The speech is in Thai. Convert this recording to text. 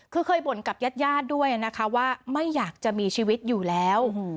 คือเคยบ่นกับญาติญาติด้วยนะคะว่าไม่อยากจะมีชีวิตอยู่แล้ว